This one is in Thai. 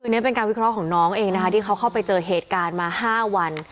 อันนี้เป็นการวิเคราะห์ของน้องเองนะคะที่เขาเข้าไปเจอเหตุการณ์มา๕วัน